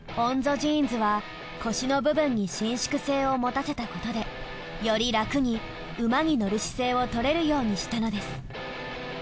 ジーンズは腰の部分に伸縮性を持たせたことでより楽に馬に乗る姿勢をとれるようにしたのです。